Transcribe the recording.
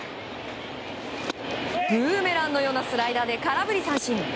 ブーメランのようなスライダーで空振り三振。